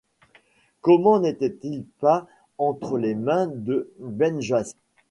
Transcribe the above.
Comment n’était-il pas entre les mains de Ben Joyce?